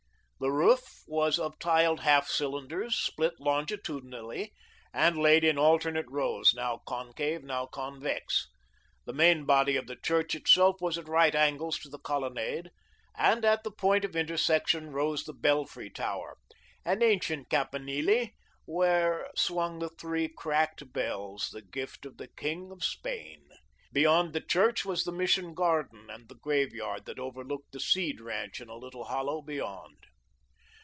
The roof was of tiled half cylinders, split longitudinally, and laid in alternate rows, now concave, now convex. The main body of the church itself was at right angles to the colonnade, and at the point of intersection rose the belfry tower, an ancient campanile, where swung the three cracked bells, the gift of the King of Spain. Beyond the church was the Mission garden and the graveyard that overlooked the Seed ranch in a little hollow beyond.